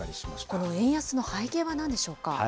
これ、円安の背景はなんでしょうか。